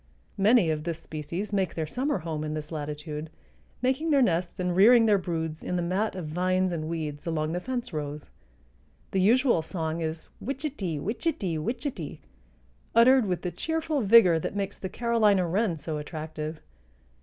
Many of this species make their summer home in this latitude, making their nests and rearing their broods in the mat of vines and weeds along the fence rows. The usual song is wichety, wichety, wichety, uttered with the cheerful vigor that makes the Carolina wren so attractive.